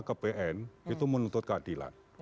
ke pn itu menuntut keadilan